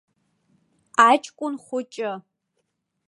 Аҷкәын хәыҷы.